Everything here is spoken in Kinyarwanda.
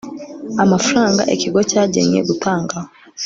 amafaranga ikigo cyagennye gutangaho